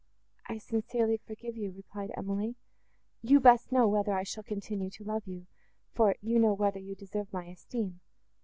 —"I sincerely forgive you," replied Emily. "You best know whether I shall continue to love you, for you know whether you deserve my esteem.